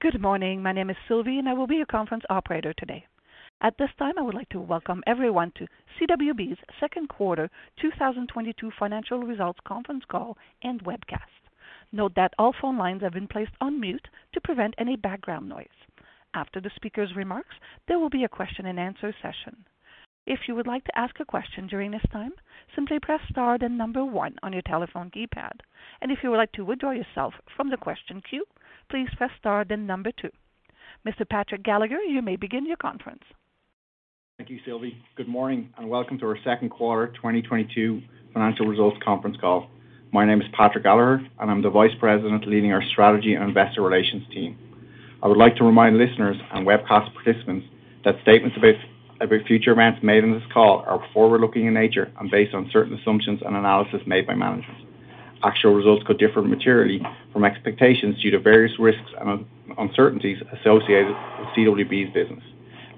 Good morning. My name is Sylvie, and I will be your conference operator today. At this time, I would like to welcome everyone to CWB's second quarter 2022 financial results conference call and webcast. Note that all phone lines have been placed on mute to prevent any background noise. After the speaker's remarks, there will be a question and answer session. If you would like to ask a question during this time, simply press star then number one on your telephone keypad. If you would like to withdraw yourself from the question queue, please press star then number two. Mr. Patrick Gallagher, you may begin your conference. Thank you, Sylvie. Good morning, and welcome to our second quarter 2022 financial results conference call. My name is Patrick Gallagher, and I'm the Vice President leading our Strategy and Investor Relations team. I would like to remind listeners and webcast participants that statements about future events made on this call are forward-looking in nature and based on certain assumptions and analysis made by managers. Actual results could differ materially from expectations due to various risks and uncertainties associated with CWB's business.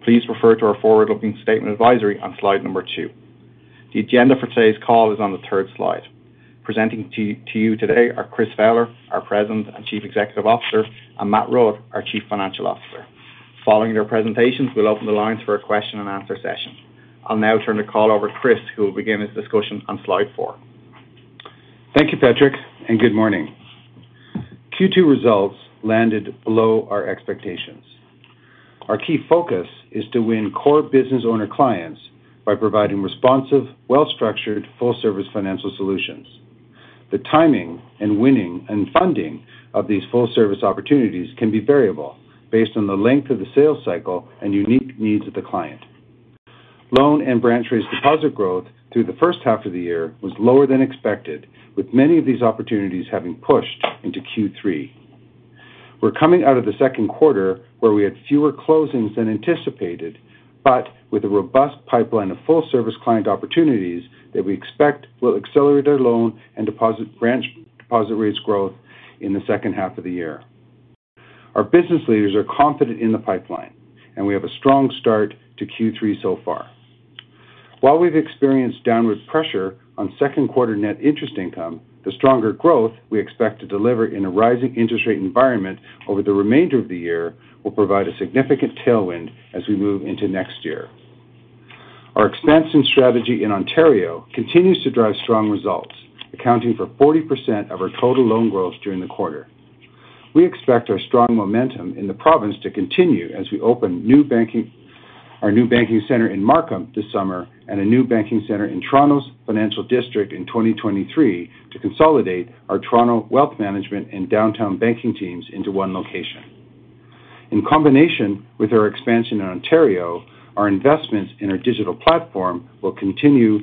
Please refer to our forward-looking statement advisory on slide number two. The agenda for today's call is on the third slide. Presenting to you today are Chris Fowler, our President and Chief Executive Officer, and Matt Rudd, our Chief Financial Officer. Following their presentations, we'll open the lines for a question and answer session. I'll now turn the call over to Chris, who will begin his discussion on slide four. Thank you, Patrick, and good morning. Q2 results landed below our expectations. Our key focus is to win core business owner clients by providing responsive, well-structured, full service financial solutions. The timing and winning and funding of these full service opportunities can be variable based on the length of the sales cycle and unique needs of the client. Loan and branch raised deposit growth through the first half of the year was lower than expected, with many of these opportunities having pushed into Q3. We're coming out of the second quarter where we had fewer closings than anticipated, but with a robust pipeline of full service client opportunities that we expect will accelerate our loan and deposit branch deposit rates growth in the second half of the year. Our business leaders are confident in the pipeline, and we have a strong start to Q3 so far. While we've experienced downward pressure on second quarter net interest income, the stronger growth we expect to deliver in a rising interest rate environment over the remainder of the year will provide a significant tailwind as we move into next year. Our expansion strategy in Ontario continues to drive strong results, accounting for 40% of our total loan growth during the quarter. We expect our strong momentum in the province to continue as we open our new banking center in Markham this summer and a new banking center in Toronto's financial district in 2023 to consolidate our Toronto wealth management and downtown banking teams into one location. In combination with our expansion in Ontario, our investments in our digital platform will continue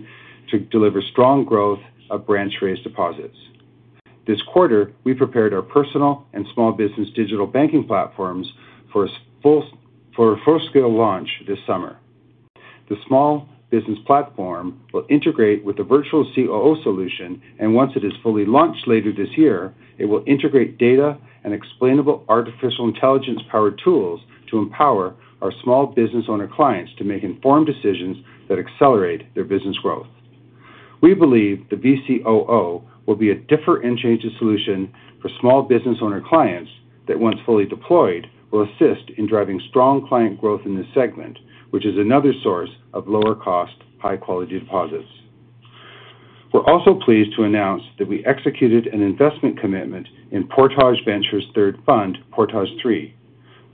to deliver strong growth of branch raised deposits. This quarter, we prepared our personal and small business digital banking platforms for a full-scale launch this summer. The small business platform will integrate with the Virtual COO solution, and once it is fully launched later this year, it will integrate data and explainable artificial intelligence powered tools to empower our small business owner clients to make informed decisions that accelerate their business growth. We believe the VCOO will be a differentiator and game-changer solution for small business owner clients that, once fully deployed, will assist in driving strong client growth in this segment, which is another source of lower cost, high quality deposits. We're also pleased to announce that we executed an investment commitment in Portage Ventures' third fund, Portage III.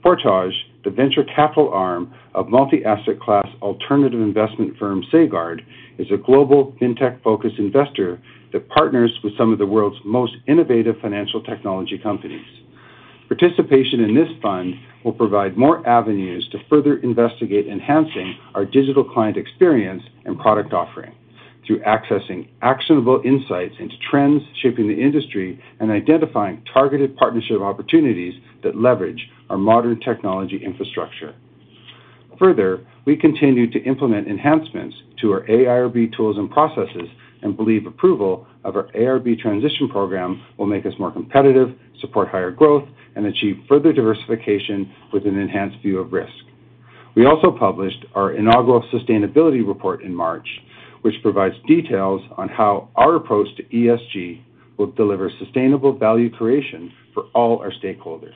Portage, the venture capital arm of multi-asset class alternative investment firm, Sagard, is a global fintech-focused investor that partners with some of the world's most innovative financial technology companies. Participation in this fund will provide more avenues to further investigate enhancing our digital client experience and product offering through accessing actionable insights into trends shaping the industry and identifying targeted partnership opportunities that leverage our modern technology infrastructure. Further, we continue to implement enhancements to our ARB tools and processes and believe approval of our ARB transition program will make us more competitive, support higher growth, and achieve further diversification with an enhanced view of risk. We also published our inaugural sustainability report in March, which provides details on how our approach to ESG will deliver sustainable value creation for all our stakeholders.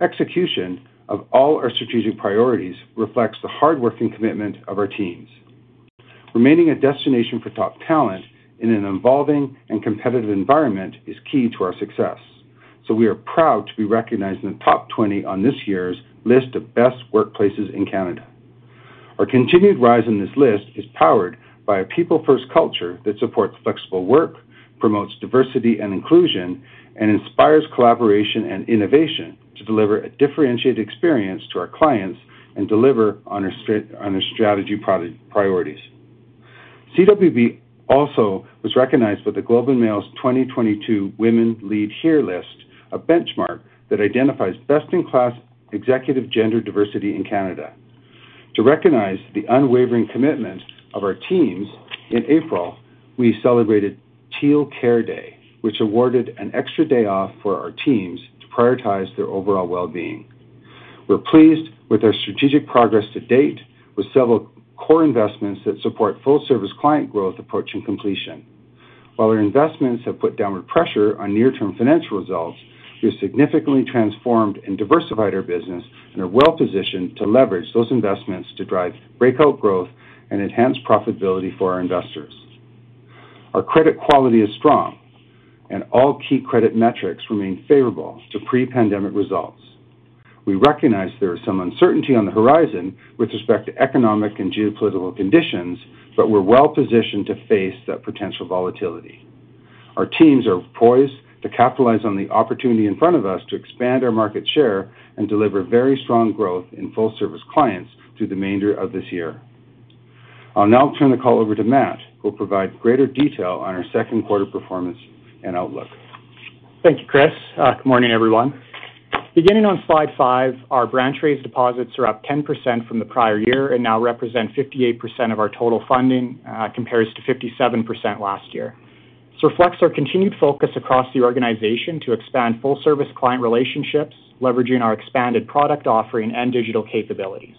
Execution of all our strategic priorities reflects the hard working commitment of our teams. Remaining a destination for top talent in an evolving and competitive environment is key to our success. We are proud to be recognized in the top 20 on this year's list of best workplaces in Canada. Our continued rise in this list is powered by a people first culture that supports flexible work, promotes diversity and inclusion, and inspires collaboration and innovation to deliver a differentiated experience to our clients and deliver on our strategy priorities. CWB also was recognized with The Globe and Mail's 2022 Women Lead Here list, a benchmark that identifies best in class executive gender diversity in Canada. To recognize the unwavering commitment of our teams, in April, we celebrated Teal Care Day, which awarded an extra day off for our teams to prioritize their overall well-being. We're pleased with our strategic progress to date with several core investments that support full service client growth approach and completion. While our investments have put downward pressure on near-term financial results, we have significantly transformed and diversified our business and are well-positioned to leverage those investments to drive breakout growth and enhance profitability for our investors. Our credit quality is strong and all key credit metrics remain favorable to pre-pandemic results. We recognize there is some uncertainty on the horizon with respect to economic and geopolitical conditions, but we're well-positioned to face that potential volatility. Our teams are poised to capitalize on the opportunity in front of us to expand our market share and deliver very strong growth in full service clients through the remainder of this year. I'll now turn the call over to Matt, who will provide greater detail on our second quarter performance and outlook. Thank you, Chris. Good morning, everyone. Beginning on slide five, our branch raised deposits are up 10% from the prior year and now represent 58% of our total funding, compares to 57% last year. This reflects our continued focus across the organization to expand full service client relationships, leveraging our expanded product offering and digital capabilities.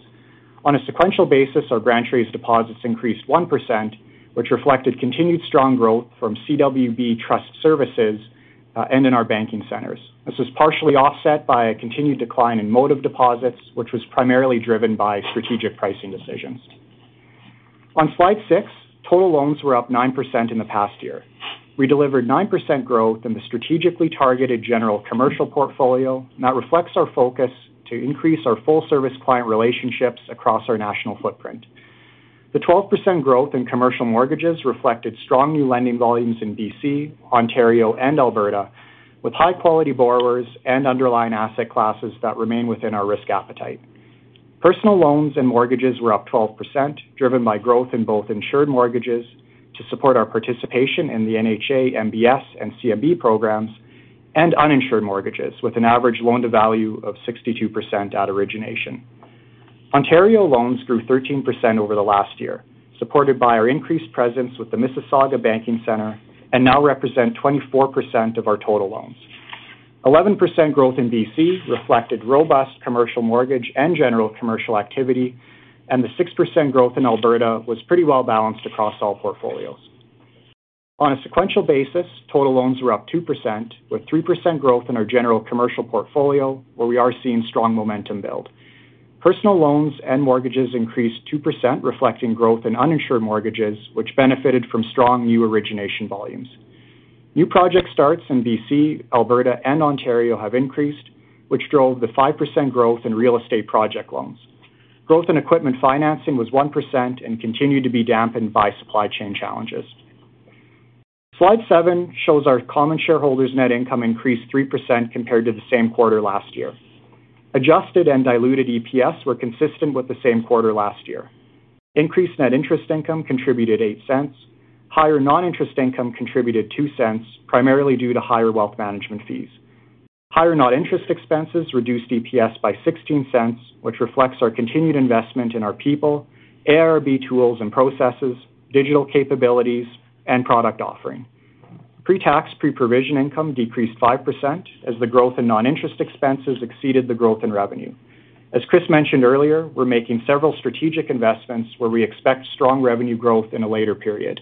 On a sequential basis, our branch raised deposits increased 1%, which reflected continued strong growth from CWB Trust Services and in our banking centers. This was partially offset by a continued decline in Motive deposits, which was primarily driven by strategic pricing decisions. On slide six, total loans were up 9% in the past year. We delivered 9% growth in the strategically targeted general commercial portfolio, and that reflects our focus to increase our full service client relationships across our national footprint. The 12% growth in commercial mortgages reflected strong new lending volumes in BC, Ontario and Alberta, with high quality borrowers and underlying asset classes that remain within our risk appetite. Personal loans and mortgages were up 12%, driven by growth in both insured mortgages to support our participation in the NHA, MBS and CMB programs and uninsured mortgages with an average loan to value of 62% at origination. Ontario loans grew 13% over the last year, supported by our increased presence with the Mississauga Banking Center and now represent 24% of our total loans. 11% growth in BC reflected robust commercial mortgage and general commercial activity, and the 6% growth in Alberta was pretty well balanced across all portfolios. On a sequential basis, total loans were up 2%, with 3% growth in our general commercial portfolio where we are seeing strong momentum build. Personal loans and mortgages increased 2%, reflecting growth in uninsured mortgages which benefited from strong new origination volumes. New project starts in B.C., Alberta and Ontario have increased, which drove the 5% growth in real estate project loans. Growth in equipment financing was 1% and continued to be dampened by supply chain challenges. Slide seven shows our common shareholders' net income increased 3% compared to the same quarter last year. Adjusted and diluted EPS were consistent with the same quarter last year. Increased net interest income contributed 0.08. Higher non-interest income contributed 0.02, primarily due to higher wealth management fees. Higher non-interest expenses reduced EPS by 0.16, which reflects our continued investment in our people, ARB tools and processes, digital capabilities and product offering. Pre-tax, pre-provision income decreased 5% as the growth in non-interest expenses exceeded the growth in revenue. As Chris mentioned earlier, we're making several strategic investments where we expect strong revenue growth in a later period.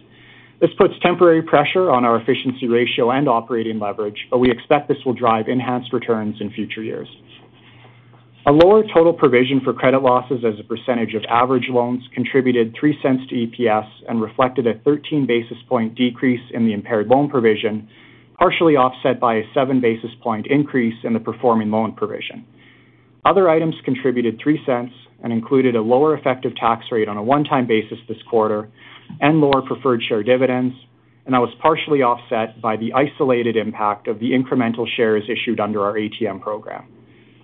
This puts temporary pressure on our efficiency ratio and operating leverage, but we expect this will drive enhanced returns in future years. A lower total provision for credit losses as a percentage of average loans contributed 0.03 to EPS and reflected a 13 basis point decrease in the impaired loan provision, partially offset by a 7 basis point increase in the performing loan provision. Other items contributed 0.03 and included a lower effective tax rate on a one-time basis this quarter and lower preferred share dividends, and that was partially offset by the isolated impact of the incremental shares issued under our ATM program.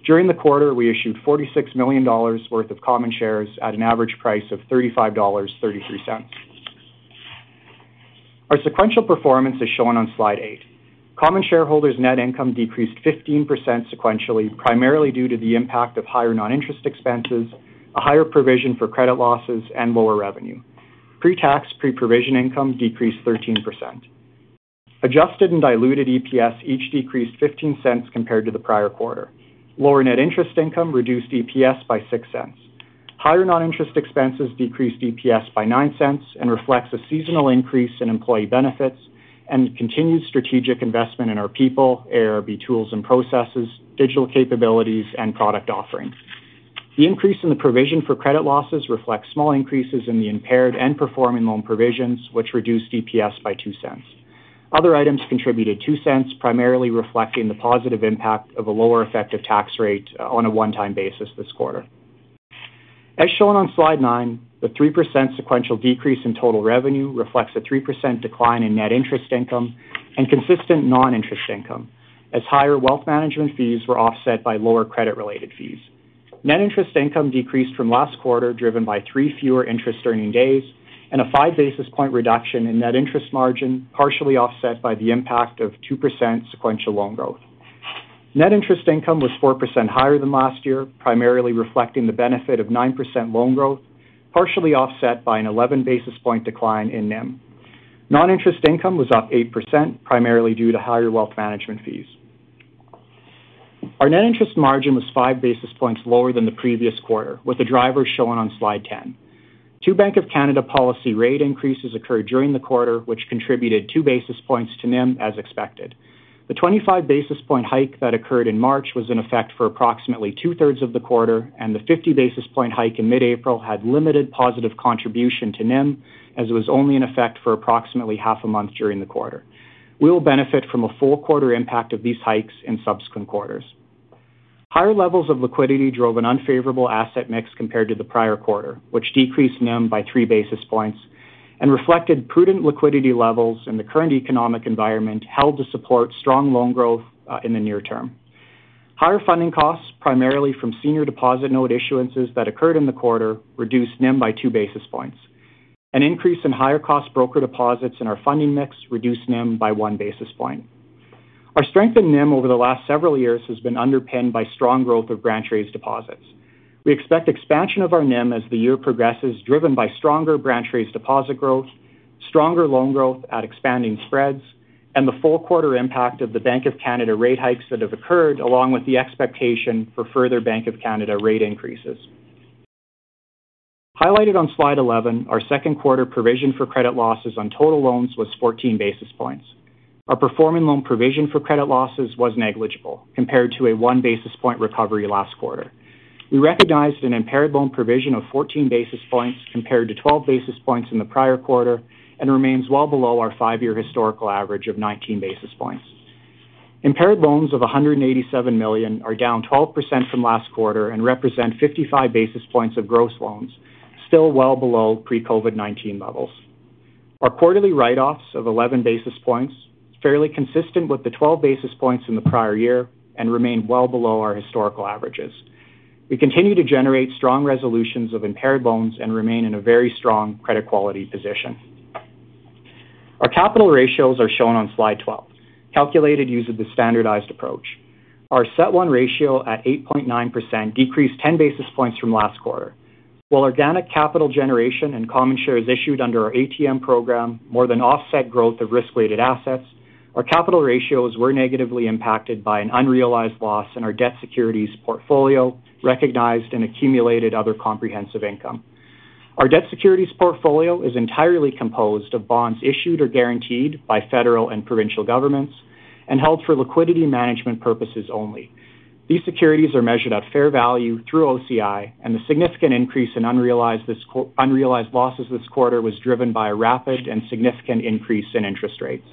During the quarter, we issued 46 million dollars worth of common shares at an average price of 35.33 dollars. Our sequential performance is shown on slide eight. Common shareholders net income decreased 15% sequentially, primarily due to the impact of higher non-interest expenses, a higher provision for credit losses and lower revenue. Pre-tax, pre-provision income decreased 13%. Adjusted and diluted EPS each decreased 0.15 compared to the prior quarter. Lower net interest income reduced EPS by 0.06. Higher non-interest expenses decreased EPS by 0.09 and reflects a seasonal increase in employee benefits and continued strategic investment in our people, ARB tools and processes, digital capabilities and product offerings. The increase in the provision for credit losses reflects small increases in the impaired and performing loan provisions, which reduced EPS by 0.02. Other items contributed 0.02, primarily reflecting the positive impact of a lower effective tax rate on a one-time basis this quarter. As shown on slide 9, the 3% sequential decrease in total revenue reflects a 3% decline in net interest income and consistent non-interest income as higher wealth management fees were offset by lower credit related fees. Net interest income decreased from last quarter, driven by 3% fewer interest earning days and a 5 basis point reduction in net interest margin, partially offset by the impact of 2% sequential loan growth. Net interest income was 4% higher than last year, primarily reflecting the benefit of 9% loan growth, partially offset by an 11 basis point decline in NIM. Non-interest income was up 8%, primarily due to higher wealth management fees. Our net interest margin was 5 basis points lower than the previous quarter, with the drivers shown on slide 10. Two Bank of Canada policy rate increases occurred during the quarter, which contributed 2 basis points to NIM as expected. The 25 basis point hike that occurred in March was in effect for approximately 2/3 of the quarter, and the 50 basis point hike in mid-April had limited positive contribution to NIM, as it was only in effect for approximately half a month during the quarter. We will benefit from a full quarter impact of these hikes in subsequent quarters. Higher levels of liquidity drove an unfavorable asset mix compared to the prior quarter, which decreased NIM by 3 basis points and reflected prudent liquidity levels in the current economic environment held to support strong loan growth in the near term. Higher funding costs, primarily from senior deposit note issuances that occurred in the quarter, reduced NIM by 2 basis points. An increase in higher cost broker deposits in our funding mix reduced NIM by 1 basis point. Our strength in NIM over the last several years has been underpinned by strong growth of branch raised deposits. We expect expansion of our NIM as the year progresses, driven by stronger branch raised deposit growth, stronger loan growth at expanding spreads, and the full quarter impact of the Bank of Canada rate hikes that have occurred, along with the expectation for further Bank of Canada rate increases. Highlighted on slide 11, our second quarter provision for credit losses on total loans was 14 basis points. Our performing loan provision for credit losses was negligible compared to a 1 basis point recovery last quarter. We recognized an impaired loan provision of 14 basis points compared to 12 basis points in the prior quarter and remains well below our 5-year historical average of 19 basis points. Impaired loans of 187 million are down 12% from last quarter and represent 55 basis points of gross loans, still well below pre-COVID-19 levels. Our quarterly write-offs of 11 basis points is fairly consistent with the 12 basis points in the prior year and remain well below our historical averages. We continue to generate strong resolutions of impaired loans and remain in a very strong credit quality position. Our capital ratios are shown on slide 12, calculated using the standardized approach. Our CET1 ratio at 8.9% decreased 10 basis points from last quarter. While organic capital generation and common shares issued under our ATM program more than offset growth of risk-weighted assets, our capital ratios were negatively impacted by an unrealized loss in our debt securities portfolio recognized in accumulated other comprehensive income. Our debt securities portfolio is entirely composed of bonds issued or guaranteed by federal and provincial governments and held for liquidity management purposes only. These securities are measured at fair value through OCI, and the significant increase in unrealized losses this quarter was driven by a rapid and significant increase in interest rates.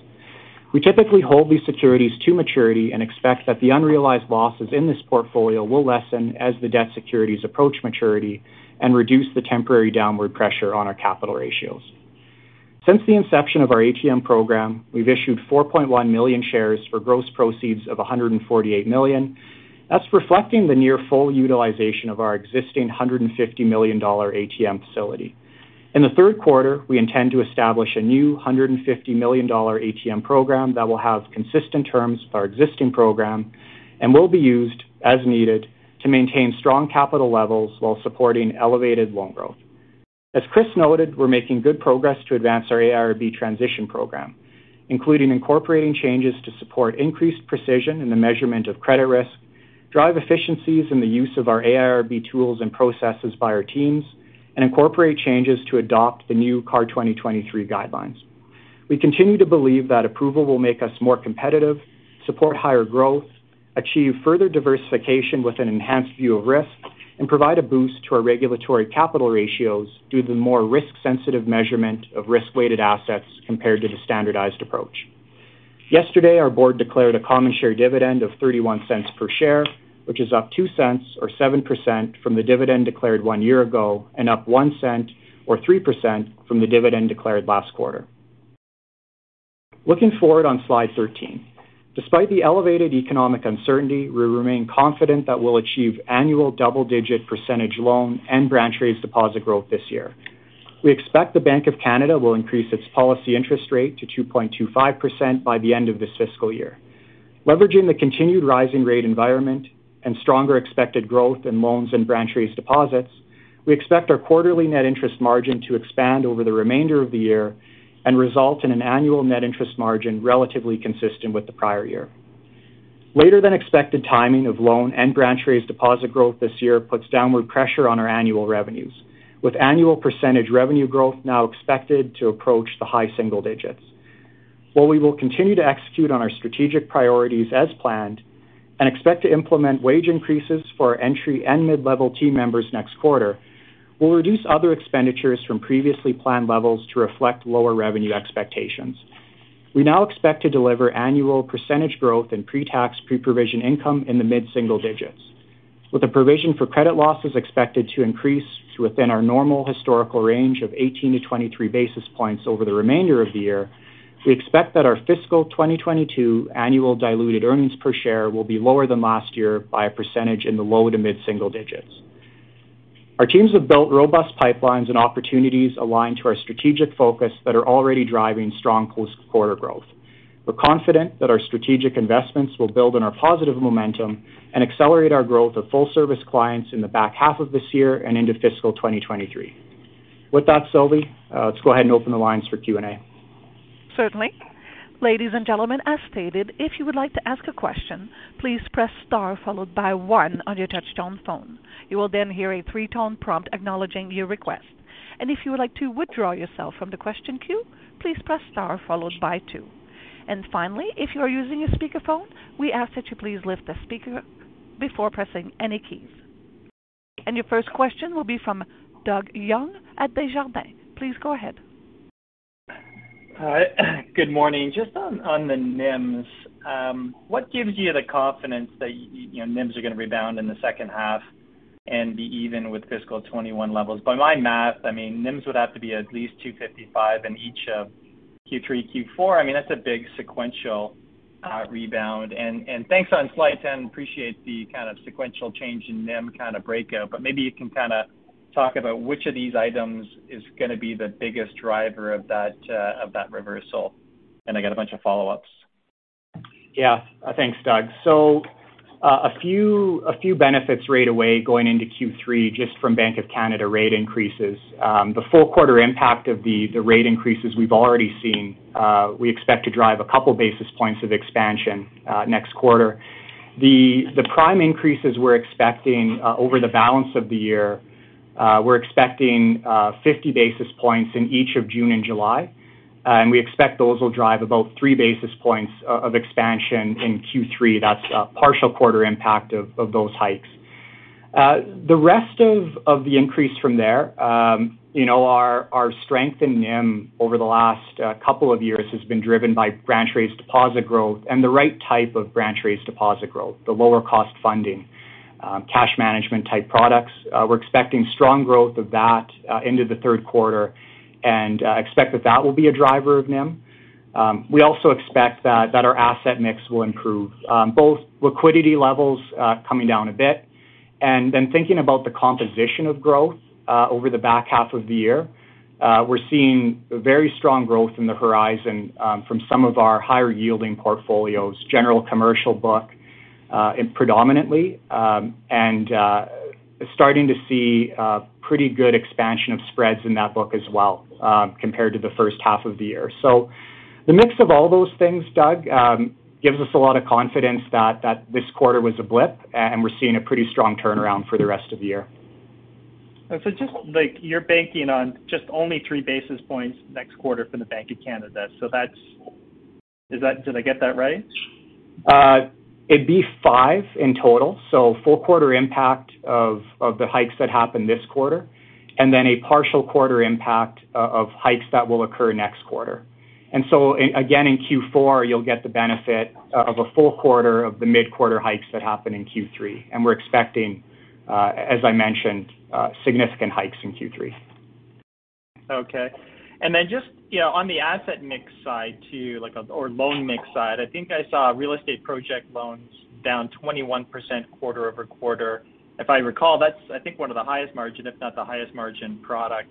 We typically hold these securities to maturity and expect that the unrealized losses in this portfolio will lessen as the debt securities approach maturity and reduce the temporary downward pressure on our capital ratios. Since the inception of our ATM program, we've issued 4.1 million shares for gross proceeds of 148 million. That's reflecting the near full utilization of our existing 150 million dollar ATM facility. In the third quarter, we intend to establish a new 150 million dollar ATM program that will have consistent terms with our existing program and will be used as needed to maintain strong capital levels while supporting elevated loan growth. As Chris noted, we're making good progress to advance our ARB transition program, including incorporating changes to support increased precision in the measurement of credit risk, drive efficiencies in the use of our ARB tools and processes by our teams, and incorporate changes to adopt the new CAR 2023 guidelines. We continue to believe that approval will make us more competitive, support higher growth, achieve further diversification with an enhanced view of risk, and provide a boost to our regulatory capital ratios due to the more risk-sensitive measurement of risk-weighted assets compared to the standardized approach. Yesterday, our board declared a common share dividend of 0.31 per share, which is up 0.02 or 7% from the dividend declared one year ago and up 0.01 or 3% from the dividend declared last quarter. Looking forward on slide 13. Despite the elevated economic uncertainty, we remain confident that we'll achieve annual double-digit percentage loan and branch raised deposit growth this year. We expect the Bank of Canada will increase its policy interest rate to 2.25% by the end of this fiscal year. Leveraging the continued rising rate environment and stronger expected growth in loans and branch raised deposits, we expect our quarterly net interest margin to expand over the remainder of the year and result in an annual net interest margin relatively consistent with the prior year. Later than expected timing of loan and branch raised deposit growth this year puts downward pressure on our annual revenues, with annual percentage revenue growth now expected to approach the high single digits. While we will continue to execute on our strategic priorities as planned and expect to implement wage increases for our entry and mid-level team members next quarter, we'll reduce other expenditures from previously planned levels to reflect lower revenue expectations. We now expect to deliver annual percentage growth in pre-tax, pre-provision income in the mid-single digits. With the provision for credit losses expected to increase to within our normal historical range of 18 to 23 basis points over the remainder of the year, we expect that our fiscal 2022 annual diluted earnings per share will be lower than last year by a percentage in the low to mid-single digits. Our teams have built robust pipelines and opportunities aligned to our strategic focus that are already driving strong post-quarter growth. We're confident that our strategic investments will build on our positive momentum and accelerate our growth of full service clients in the back half of this year and into fiscal 2023. With that, Sylvie, let's go ahead and open the lines for Q&A. Certainly. Ladies and gentlemen, as stated, if you would like to ask a question, please press star followed by one on your touch-tone phone. You will then hear a three-tone prompt acknowledging your request. If you would like to withdraw yourself from the question queue, please press star followed by two. Finally, if you are using a speakerphone, we ask that you please lift the speaker before pressing any keys. Your first question will be from Doug Young at Desjardins. Please go ahead. Hi. Good morning. Just on the NIMs, what gives you the confidence that you know, NIMs are going to rebound in the second half and be even with fiscal 2021 levels? By my math, I mean NIMs would have to be at least 2.55% in each of Q3, Q4. I mean, that's a big sequential rebound. Thanks on slide 10, I appreciate the kind of sequential change in NIM kind of breakout, but maybe you can kind of talk about which of these items is gonna be the biggest driver of that reversal. I got a bunch of follow-ups. Yeah. Thanks, Doug. A few benefits right away going into Q3, just from Bank of Canada rate increases. The full quarter impact of the rate increases we've already seen, we expect to drive a couple basis points of expansion, next quarter. The prime increases we're expecting over the balance of the year, we're expecting 50 basis points in each of June and July. We expect those will drive about 3 basis points of expansion in Q3. That's a partial quarter impact of those hikes. The rest of the increase from there, you know, our strength in NIM over the last couple of years has been driven by branch-raised deposit growth and the right type of branch-raised deposit growth, the lower cost funding, cash management type products. We're expecting strong growth of that into the third quarter and expect that will be a driver of NIM. We also expect that our asset mix will improve, both liquidity levels coming down a bit. Thinking about the composition of growth over the back half of the year, we're seeing very strong growth on the horizon from some of our higher yielding portfolios, general commercial book predominantly, and starting to see pretty good expansion of spreads in that book as well compared to the first half of the year. The mix of all those things, Doug, gives us a lot of confidence that this quarter was a blip, and we're seeing a pretty strong turnaround for the rest of the year. Just like you're banking on just only 3 basis points next quarter from the Bank of Canada. Did I get that right? It'd be 5 in total. Full quarter impact of the hikes that happened this quarter, and then a partial quarter impact of hikes that will occur next quarter. In Q4, you'll get the benefit of a full quarter of the mid-quarter hikes that happen in Q3. We're expecting, as I mentioned, significant hikes in Q3. Okay. Just, you know, on the asset mix side too, like, or loan mix side, I think I saw real estate project loans down 21% quarter-over-quarter. If I recall, that's I think one of the highest margin, if not the highest margin product.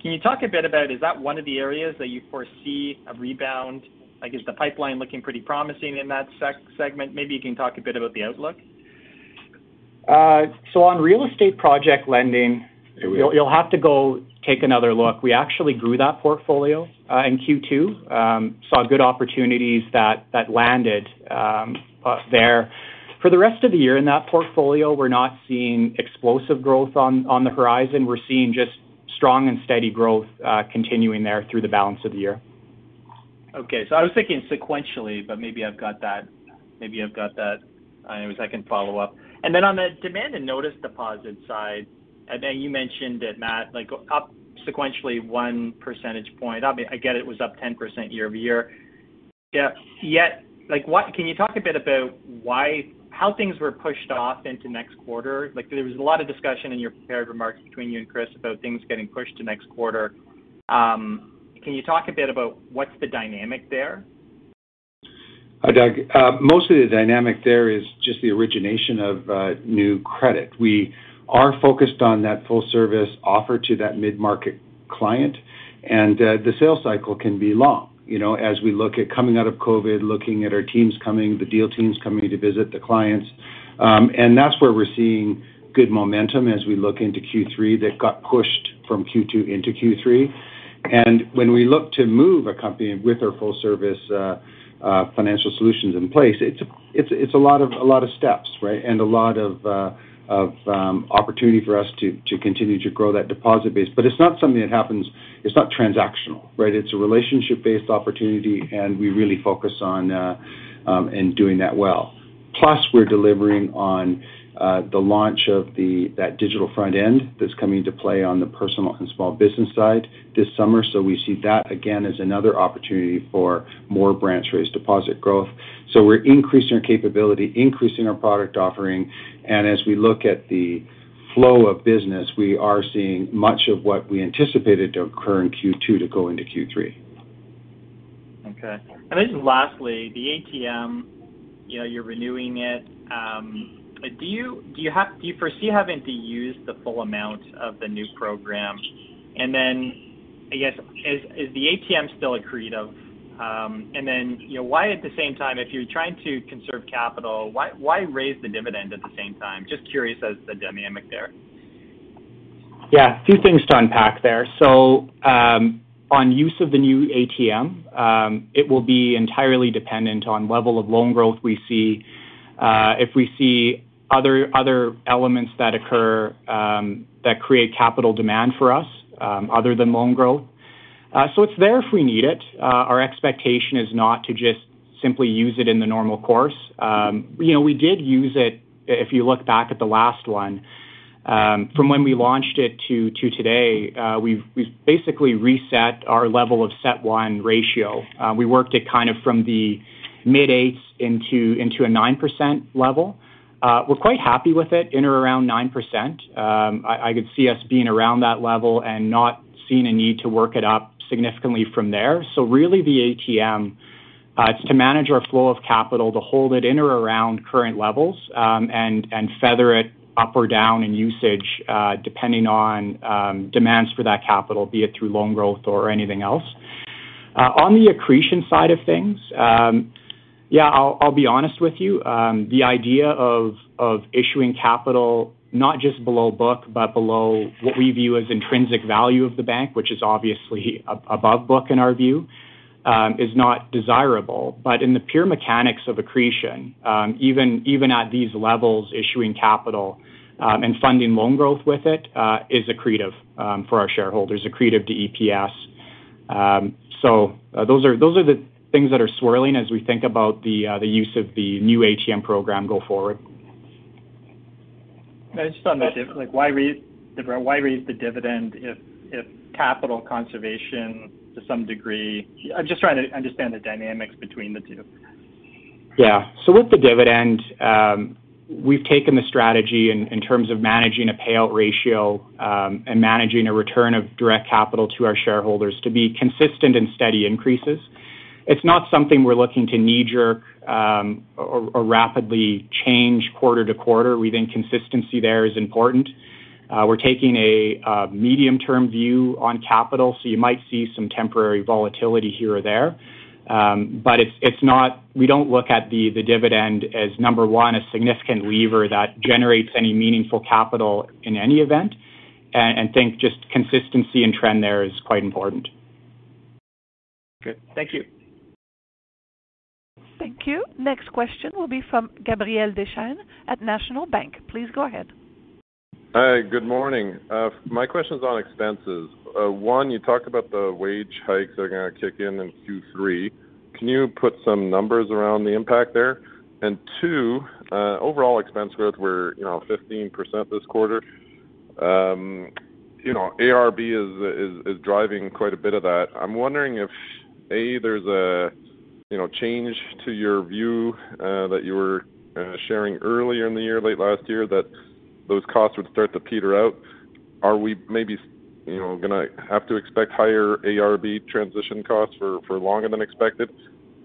Can you talk a bit about, is that one of the areas that you foresee a rebound? Like, is the pipeline looking pretty promising in that segment? Maybe you can talk a bit about the outlook. On real estate project lending, you'll have to go take another look. We actually grew that portfolio in Q2, saw good opportunities that landed there. For the rest of the year in that portfolio, we're not seeing explosive growth on the horizon. We're seeing just strong and steady growth continuing there through the balance of the year. Okay. I was thinking sequentially, but maybe I've got that. Anyways, I can follow up. On the demand and notice deposit side, I know you mentioned it, Matt, like up sequentially one percentage point. I mean, I get it was up 10% year-over-year. Yet, like what can you talk a bit about why how things were pushed off into next quarter? Like there was a lot of discussion in your prepared remarks between you and Chris about things getting pushed to next quarter. Can you talk a bit about what's the dynamic there? Hi, Doug. Most of the dynamic there is just the origination of new credit. We are focused on that full service offer to that mid-market client, and the sales cycle can be long. You know, as we look at coming out of COVID, looking at our teams coming, the deal teams coming to visit the clients. That's where we're seeing good momentum as we look into Q3 that got pushed from Q2 into Q3. When we look to move a company with our full service financial solutions in place, it's a lot of steps, right? A lot of opportunity for us to continue to grow that deposit base. But it's not something that happens. It's not transactional, right? It's a relationship-based opportunity, and we really focus on in doing that well. Plus, we're delivering on the launch of the digital front end that's coming into play on the personal and small business side this summer. We see that again as another opportunity for more branch-raised deposit growth. We're increasing our capability, increasing our product offering. As we look at the flow of business, we are seeing much of what we anticipated to occur in Q2 to go into Q3. Okay. Just lastly, the ATM, you know, you're renewing it. Do you foresee having to use the full amount of the new program? I guess, is the ATM still accretive? You know, why at the same time, if you're trying to conserve capital, why raise the dividend at the same time? Just curious as to the dynamic there. Yeah, a few things to unpack there. On use of the new ATM, it will be entirely dependent on level of loan growth we see, if we see other elements that occur that create capital demand for us, other than loan growth. It's there if we need it. Our expectation is not to just simply use it in the normal course. You know, we did use it, if you look back at the last one, from when we launched it to today, we've basically reset our level of CET1 ratio. We worked it kind of from the mid-8s into a 9% level. We're quite happy with it in or around 9%. I could see us being around that level and not seeing a need to work it up significantly from there. Really, the ATM, it's to manage our flow of capital, to hold it in or around current levels, and feather it up or down in usage, depending on demands for that capital, be it through loan growth or anything else. On the accretion side of things, yeah, I'll be honest with you. The idea of issuing capital not just below book, but below what we view as intrinsic value of the bank, which is obviously above book in our view, is not desirable. In the pure mechanics of accretion, even at these levels, issuing capital and funding loan growth with it, is accretive for our shareholders, accretive to EPS. Those are the things that are swirling as we think about the use of the new ATM program go forward. Just on the div like, why raise the dividend if capital conservation to some degree. I'm just trying to understand the dynamics between the two. Yeah. With the dividend, we've taken the strategy in terms of managing a payout ratio and managing a return of direct capital to our shareholders to be consistent and steady increases. It's not something we're looking to knee-jerk or rapidly change quarter to quarter. We think consistency there is important. We're taking a medium-term view on capital, so you might see some temporary volatility here or there. It's not. We don't look at the dividend as, number one, a significant lever that generates any meaningful capital in any event, and think just consistency and trend there is quite important. Great. Thank you. Thank you. Next question will be from Gabriel Dechaine at National Bank. Please go ahead. Hi, good morning. My question's on expenses. One, you talked about the wage hikes that are gonna kick in in Q3. Can you put some numbers around the impact there? Two, overall expense growth were 15% this quarter. You know, ARB is driving quite a bit of that. I'm wondering if A, there's a you know, change to your view that you were sharing earlier in the year, late last year, that those costs would start to peter out. Are we maybe you know, gonna have to expect higher ARB transition costs for longer than expected?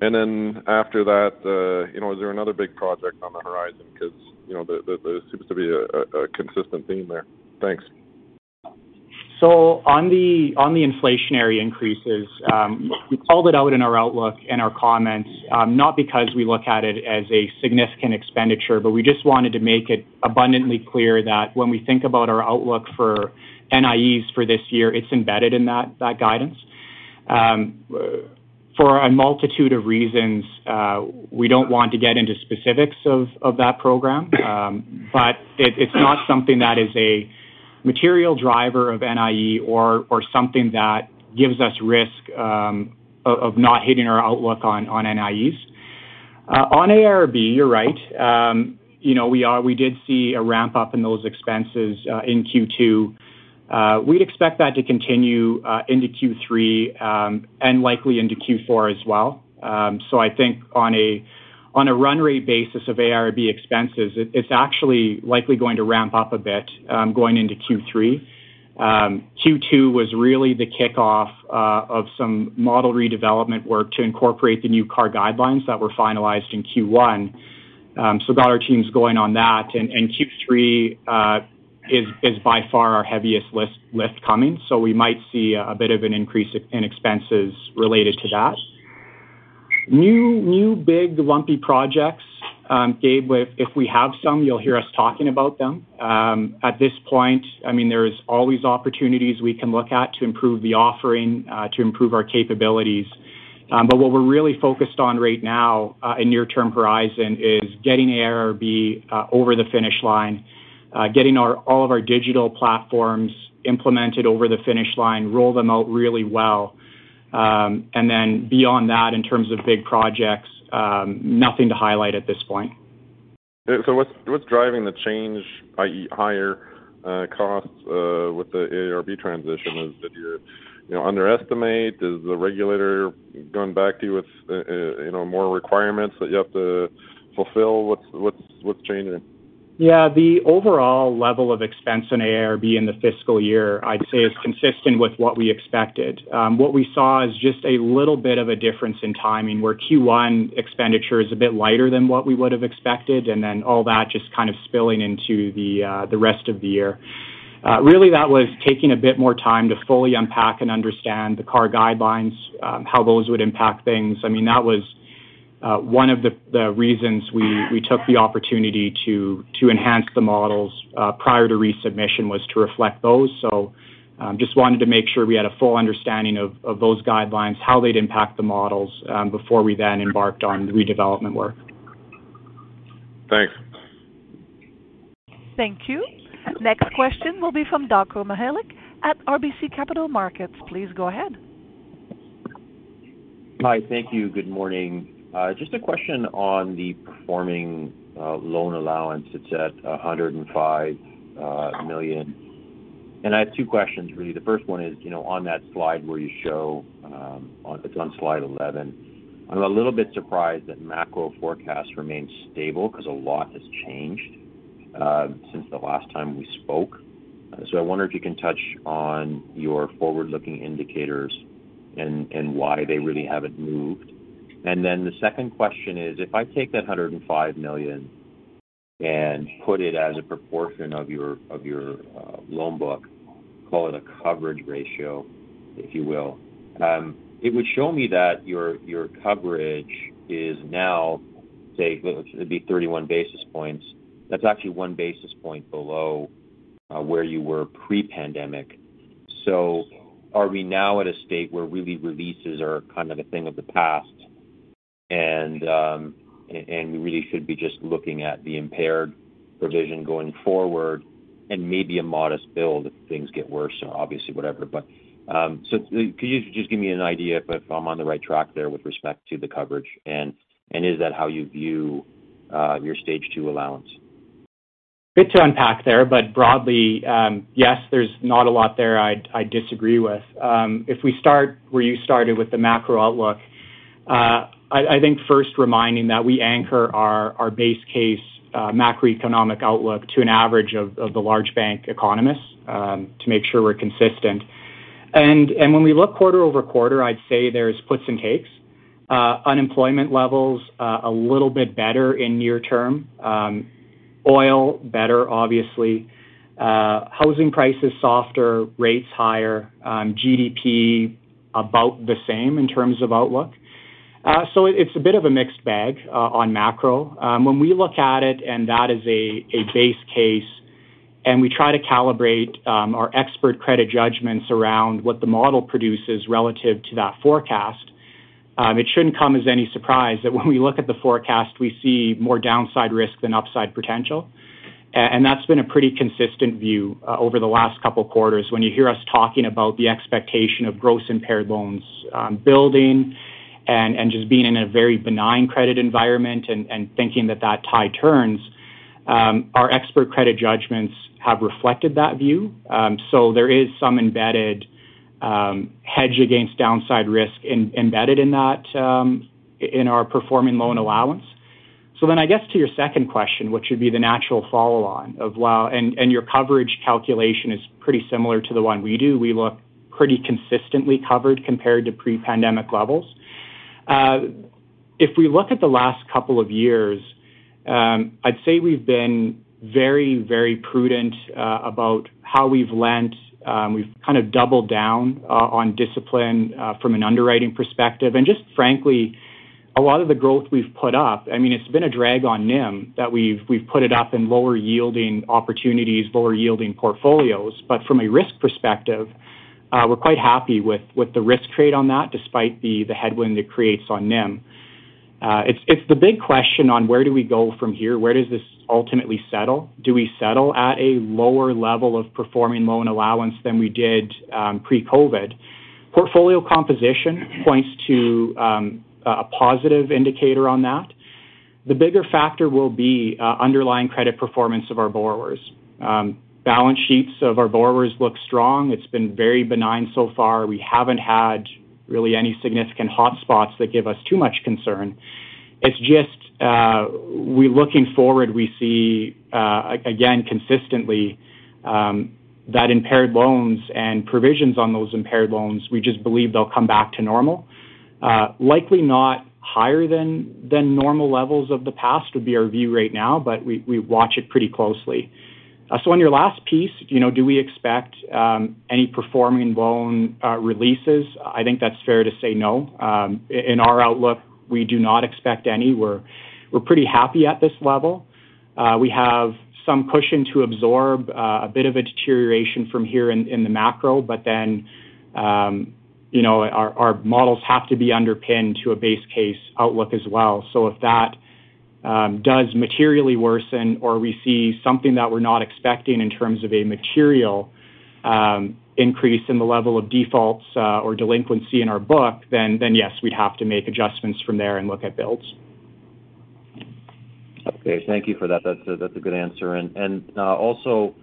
After that, you know, is there another big project on the horizon? Because you know, there seems to be a consistent theme there. Thanks. On the inflationary increases, we called it out in our outlook and our comments, not because we look at it as a significant expenditure, but we just wanted to make it abundantly clear that when we think about our outlook for NIEs for this year, it's embedded in that guidance. For a multitude of reasons, we don't want to get into specifics of that program. It's not something that is a material driver of NIEs or something that gives us risk of not hitting our outlook on NIEs. On ARB, you're right. You know, we did see a ramp-up in those expenses in Q2. We'd expect that to continue into Q3 and likely into Q4 as well. I think on a run rate basis of ARB expenses, it's actually likely going to ramp up a bit, going into Q3. Q2 was really the kickoff of some model redevelopment work to incorporate the new CAR guidelines that were finalized in Q1. We've got our teams going on that. Q3 is by far our heaviest lift coming, so we might see a bit of an increase in expenses related to that. New big, lumpy projects, if we have some, you'll hear us talking about them. At this point, I mean, there's always opportunities we can look at to improve the offering, to improve our capabilities. What we're really focused on right now in the near-term horizon is getting ARB over the finish line, getting all of our digital platforms implemented over the finish line, and rolling them out really well. Then beyond that, in terms of big projects, nothing to highlight at this point. What's driving the change, i.e., higher costs with the ARB transition? Is it your underestimate? Is the regulator going back to you with you know more requirements that you have to fulfill? What's changing? Yeah. The overall level of expense in ARB in the fiscal year, I'd say, is consistent with what we expected. What we saw is just a little bit of a difference in timing, where Q1 expenditure is a bit lighter than what we would have expected, and then all that just kind of spilling into the rest of the year. Really that was taking a bit more time to fully unpack and understand the CAR guidelines, how those would impact things. I mean, that was one of the reasons we took the opportunity to enhance the models prior to resubmission was to reflect those. Just wanted to make sure we had a full understanding of those guidelines, how they'd impact the models, before we then embarked on the redevelopment work. Thanks. Thank you. Next question will be from Darko Mihelic at RBC Capital Markets. Please go ahead. Hi. Thank you. Good morning. Just a question on the performing loan allowance. It's at 105 million. I have two questions, really. The first one is, you know, on that slide where you show, it's on slide 11. I'm a little bit surprised that macro forecasts remain stable because a lot has changed since the last time we spoke. I wonder if you can touch on your forward-looking indicators and why they really haven't moved. Then the second question is, if I take that 105 million and put it as a proportion of your loan book, call it a coverage ratio, if you will, it would show me that your coverage is now, say, it'll be 31 basis points. That's actually 1 basis point below where you were pre-pandemic. Are we now at a state where really releases are kind of a thing of the past and we really should be just looking at the impaired provision going forward and maybe a modest build if things get worse or obviously whatever? Could you just give me an idea if I'm on the right track there with respect to the coverage, and is that how you view your Stage 2 allowance? Bit to unpack there, but broadly, yes, there's not a lot there I'd disagree with. If we start where you started with the macro outlook, I think first reminding that we anchor our base case macroeconomic outlook to an average of the large bank economists to make sure we're consistent. When we look quarter-over-quarter, I'd say there's puts and takes. Unemployment levels a little bit better in near term. Oil, better, obviously. Housing prices, softer, rates higher, GDP about the same in terms of outlook. It's a bit of a mixed bag on macro. When we look at it, and that is a base case, and we try to calibrate our expert credit judgments around what the model produces relative to that forecast, it shouldn't come as any surprise that when we look at the forecast, we see more downside risk than upside potential. That's been a pretty consistent view over the last couple of quarters. When you hear us talking about the expectation of gross impaired loans building and just being in a very benign credit environment and thinking that that tide turns, our expert credit judgments have reflected that view. There is some embedded hedge against downside risk embedded in that in our performing loan allowance. I guess to your second question, which would be the natural follow-on. Your coverage calculation is pretty similar to the one we do. We look pretty consistently covered compared to pre-pandemic levels. If we look at the last couple of years, I'd say we've been very, very prudent about how we've lent. We've kind of doubled down on discipline from an underwriting perspective. Just frankly, a lot of the growth we've put up, I mean, it's been a drag on NIM that we've put it up in lower yielding opportunities, lower yielding portfolios. From a risk perspective, we're quite happy with the risk trade on that, despite the headwind it creates on NIM. It's the big question on where do we go from here? Where does this ultimately settle? Do we settle at a lower level of performing loan allowance than we did pre-COVID? Portfolio composition points to a positive indicator on that. The bigger factor will be underlying credit performance of our borrowers. Balance sheets of our borrowers look strong. It's been very benign so far. We haven't had really any significant hotspots that give us too much concern. It's just looking forward, we see again, consistently, that impaired loans and provisions on those impaired loans, we just believe they'll come back to normal. Likely not higher than normal levels of the past would be our view right now, but we watch it pretty closely. So on your last piece, you know, do we expect any performing loan releases? I think that's fair to say no. In our outlook, we do not expect any. We're pretty happy at this level. We have some cushion to absorb a bit of a deterioration from here in the macro, but then, you know, our models have to be underpinned to a base case outlook as well. If that does materially worsen or we see something that we're not expecting in terms of a material increase in the level of defaults or delinquency in our book, then yes, we'd have to make adjustments from there and look at builds. Okay. Thank you for that. That's a good answer. Also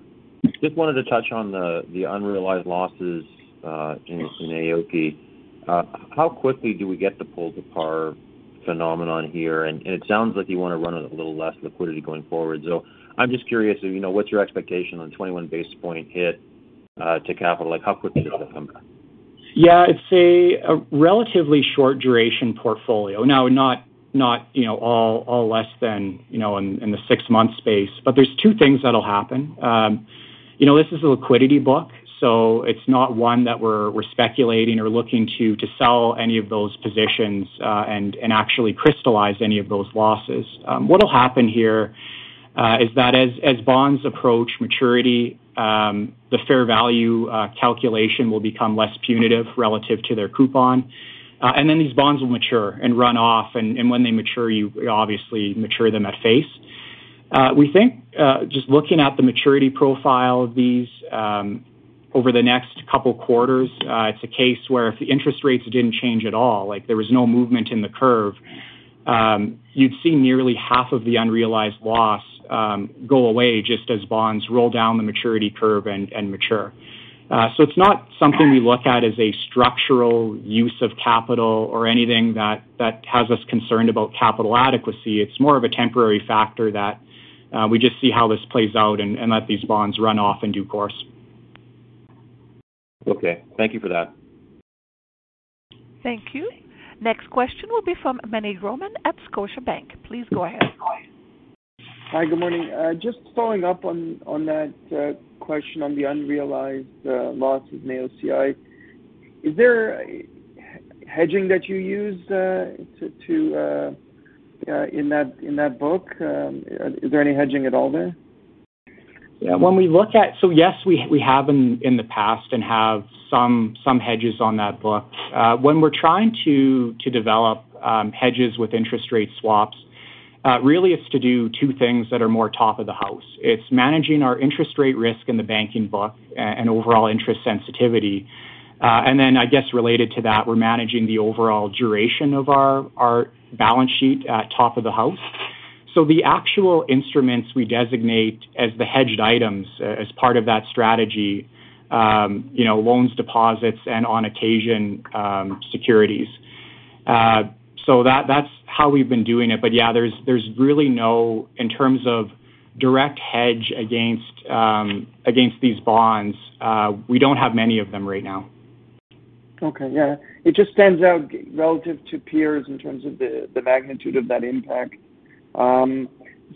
just wanted to touch on the unrealized losses in AOCI. How quickly do we get the pull to par phenomenon here? It sounds like you want to run a little less liquidity going forward. I'm just curious, you know, what's your expectation on 21 basis point hit to capital? Like, how quickly does that come back? Yeah. It's a relatively short duration portfolio. Now, not you know all less than you know in the six-month space. There's two things that'll happen. You know, this is a liquidity book, so it's not one that we're speculating or looking to sell any of those positions, and actually crystallize any of those losses. What will happen here is that as bonds approach maturity, the fair value calculation will become less punitive relative to their coupon. Then these bonds will mature and run off. When they mature, you obviously mature them at face. We think just looking at the maturity profile of these over the next couple quarters it's a case where if the interest rates didn't change at all like there was no movement in the curve you'd see nearly half of the unrealized loss go away just as bonds roll down the maturity curve and mature. It's not something we look at as a structural use of capital or anything that has us concerned about capital adequacy. It's more of a temporary factor that we just see how this plays out and let these bonds run off in due course. Okay. Thank you for that. Thank you. Next question will be from Meny Grauman at Scotiabank. Please go ahead. Hi. Good morning. Just following up on that question on the unrealized loss with AOCI. Is there hedging that you use in that book? Is there any hedging at all there? Yes, we have in the past and have some hedges on that book. When we're trying to develop hedges with interest rate swaps, really it's to do two things that are more top of the house. It's managing our interest rate risk in the banking book and overall interest sensitivity. And then I guess related to that, we're managing the overall duration of our balance sheet at top of the house. The actual instruments we designate as the hedged items as part of that strategy, you know, loans, deposits and on occasion, securities. That's how we've been doing it. Yeah, there's really none in terms of direct hedge against these bonds, we don't have many of them right now. Okay. Yeah. It just stands out relative to peers in terms of the magnitude of that impact.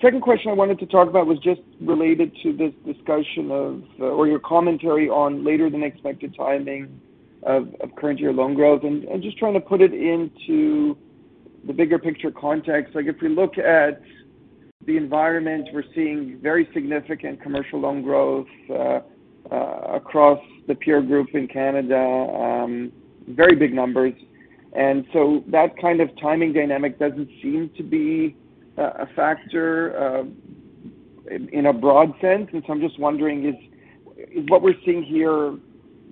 Second question I wanted to talk about was just related to this discussion of or your commentary on later than expected timing of current year loan growth. Just trying to put it into the bigger picture context, like if we look at the environment, we're seeing very significant commercial loan growth across the peer group in Canada, very big numbers. That kind of timing dynamic doesn't seem to be a factor in a broad sense. I'm just wondering, is what we're seeing here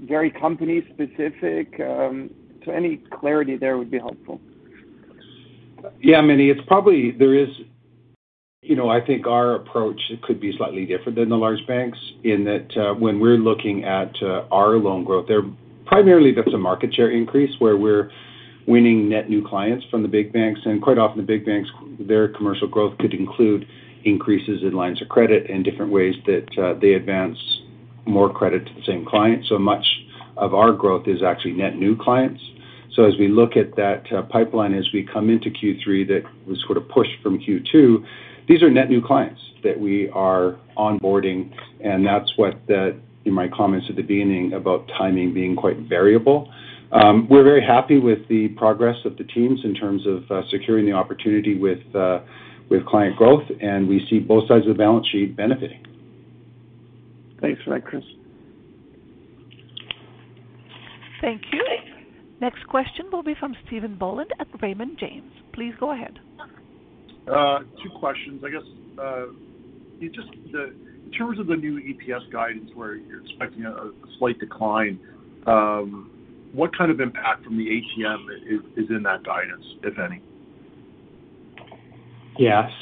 very company specific? So any clarity there would be helpful. Yeah, Meny, it's probably. You know, I think our approach could be slightly different than the large banks in that, when we're looking at our loan growth, there primarily that's a market share increase where we're winning net new clients from the big banks. Quite often the big banks, their commercial growth could include increases in lines of credit in different ways that they advance more credit to the same client. Much of our growth is actually net new clients. As we look at that pipeline as we come into Q3, that was sort of pushed from Q2. These are net new clients that we are onboarding, and that's what I meant in my comments at the beginning about timing being quite variable. We're very happy with the progress of the teams in terms of securing the opportunity with client growth, and we see both sides of the balance sheet benefiting. Thanks for that, Chris. Thank you. Next question will be from Stephen Boland at Raymond James. Please go ahead. Two questions. I guess, just the terms of the new EPS guidance where you're expecting a slight decline, what kind of impact from the ATM is in that guidance, if any?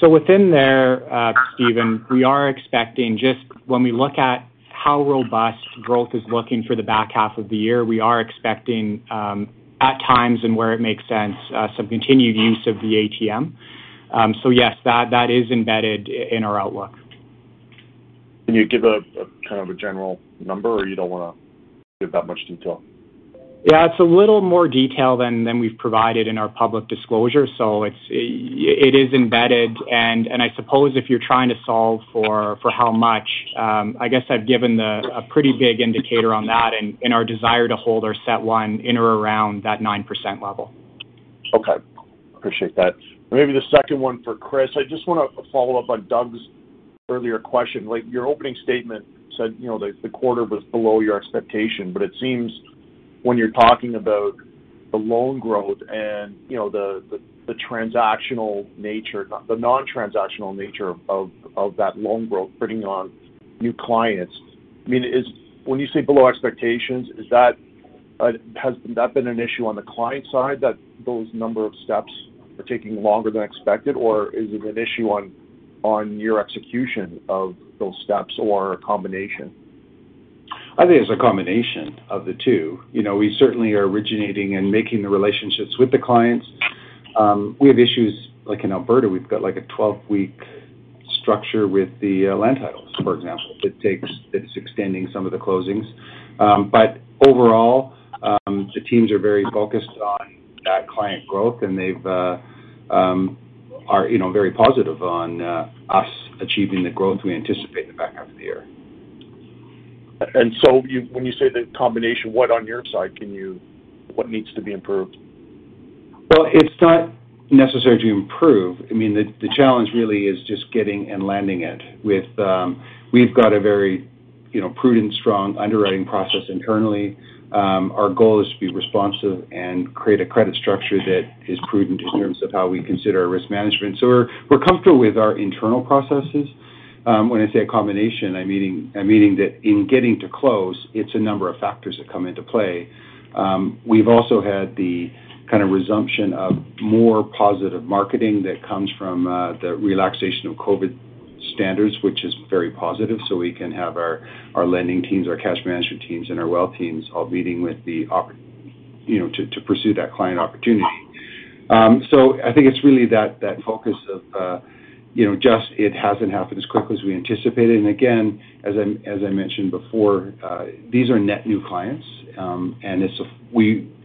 Within there, Stephen, we are expecting just when we look at how robust growth is looking for the back half of the year, we are expecting at times and where it makes sense some continued use of the ATM. Yes, that is embedded in our outlook. Can you give a kind of general number, or you don't want to give that much detail? Yeah, it's a little more detail than we've provided in our public disclosure. It is embedded. I suppose if you're trying to solve for how much, I guess I've given a pretty big indicator on that and our desire to hold our CET1 in or around that 9% level. Okay. Appreciate that. Maybe the second one for Chris. I just want to follow up on Doug's earlier question. Like, your opening statement said, you know, the quarter was below your expectation, but it seems when you're talking about the loan growth and, you know, the transactional nature, the non-transactional nature of that loan growth, bringing on new clients. I mean, when you say below expectations, has that been an issue on the client side that those number of steps are taking longer than expected, or is it an issue on your execution of those steps or a combination? I think it's a combination of the two. You know, we certainly are originating and making the relationships with the clients. We have issues like in Alberta, we've got like a 12-week structure with the land titles, for example. It's extending some of the closings. Overall, the teams are very focused on that client growth, and they are, you know, very positive on us achieving the growth we anticipate the back half of the year. When you say the combination, what on your side needs to be improved? Well, it's not necessary to improve. I mean, the challenge really is just getting and landing it. With, we've got a very, you know, prudent, strong underwriting process internally. Our goal is to be responsive and create a credit structure that is prudent in terms of how we consider our risk management. So we're comfortable with our internal processes. When I say a combination, I'm meaning that in getting to close, it's a number of factors that come into play. We've also had the kind of resumption of more positive marketing that comes from, the relaxation of COVID standards, which is very positive. So we can have our lending teams, our cash management teams, and our wealth teams all meeting with the you know, to pursue that client opportunity. I think it's really that focus of, you know, just it hasn't happened as quickly as we anticipated. Again, as I mentioned before, these are net new clients.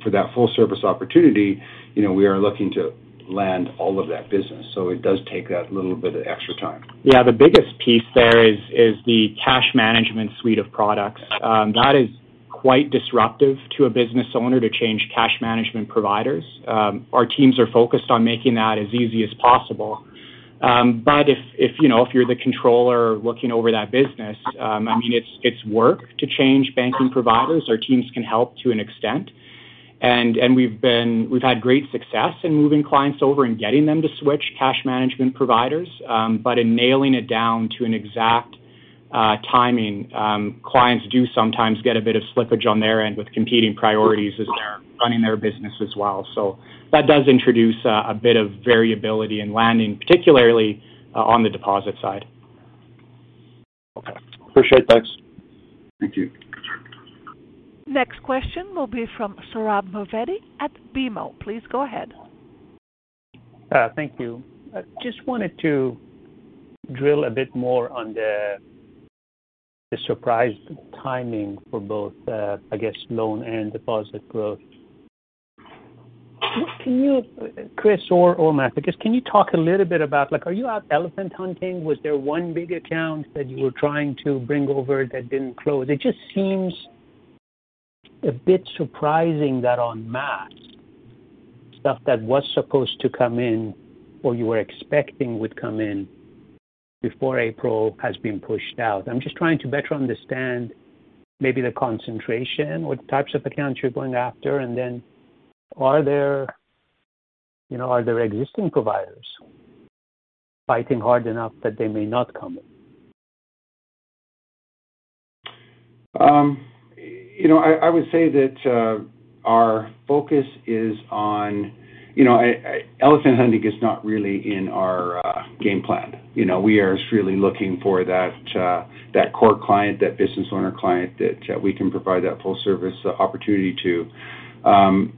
For that full service opportunity, you know, we are looking to land all of that business, so it does take that little bit of extra time. Yeah. The biggest piece there is the cash management suite of products. That is quite disruptive to a business owner to change cash management providers. Our teams are focused on making that as easy as possible. But if you know, if you're the controller looking over that business, I mean, it's work to change banking providers. Our teams can help to an extent. We've had great success in moving clients over and getting them to switch cash management providers. But in nailing it down to an exact timing, clients do sometimes get a bit of slippage on their end with competing priorities as they're running their business as well. That does introduce a bit of variability in landing, particularly on the deposit side. Okay. Appreciate it. Thanks. Thank you. Next question will be from Sohrab Movahedi at BMO. Please go ahead. Thank you. Just wanted to drill a bit more on the surprise timing for both, I guess, loan and deposit growth. Can you, Chris or Matt, I guess, can you talk a little bit about like, are you out elephant hunting? Was there one big account that you were trying to bring over that didn't close? It just seems a bit surprising that on stuff that was supposed to come in or you were expecting would come in before April has been pushed out. I'm just trying to better understand maybe the concentration, what types of accounts you're going after, and then are there, you know, are there existing providers fighting hard enough that they may not come in? You know, I would say that our focus is on. You know, elephant hunting is not really in our game plan. You know, we are really looking for that core client, that business owner client that we can provide that full service opportunity to.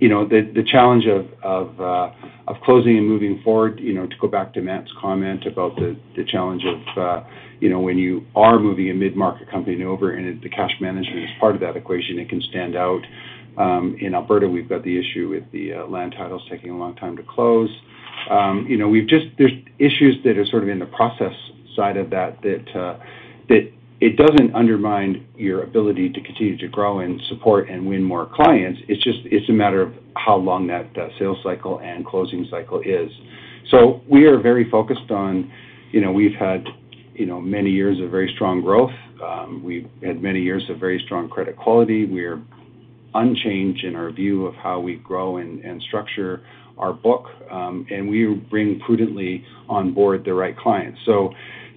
You know, the challenge of closing and moving forward, you know, to go back to Matt's comment about the challenge of you know when you are moving a mid-market company over and the cash management is part of that equation, it can stand out. In Alberta, we've got the issue with the land titles taking a long time to close. You know, there's issues that are sort of in the process side of that that it doesn't undermine your ability to continue to grow and support and win more clients. It's just a matter of how long that sales cycle and closing cycle is. We are very focused on, you know, we've had, you know, many years of very strong growth. We've had many years of very strong credit quality. We're unchanged in our view of how we grow and structure our book. We bring prudently on board the right clients.